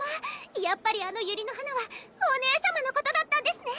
やっぱりあの百合の花はお姉様のことだったんですね